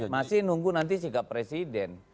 masih nunggu nanti sikap presiden